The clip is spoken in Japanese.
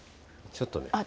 ちょっとね。